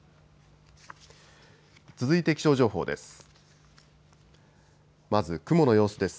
続いて気象情報です。